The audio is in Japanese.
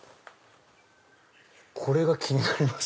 これが気になります。